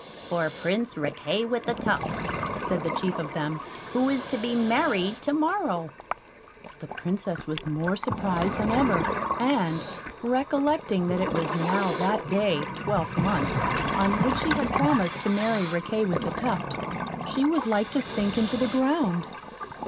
"For Prince Riquet with the Tuft," said the chief of them, "who is to be married to morrow." The Princess was more surprised than ever, and recollecting that it was now that day twelvemonth on which she had promised to marry Riquet with the Tuft, she was like to sink into the ground.